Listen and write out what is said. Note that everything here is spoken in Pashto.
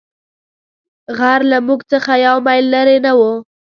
غر له موږ څخه یو مېل لیرې نه وو.